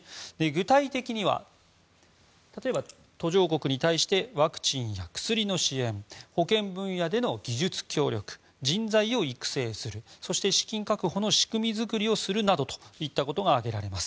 具体的には、途上国に対してワクチンや薬の支援保健分野での技術協力人材を育成する資金確保の仕組み作りをするなどが挙げられます。